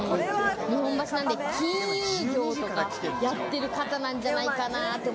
日本橋なんで、金融業とかやってる方なんじゃないかな？